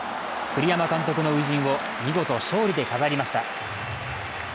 栗山監督の初陣を見事、勝利で飾りました。